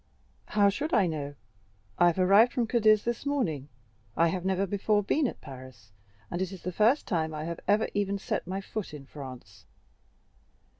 "How should I know? I have arrived from Cadiz this morning. I have never before been at Paris, and it is the first time I have ever even set my foot in France."